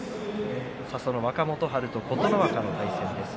若元春と琴ノ若の対戦です。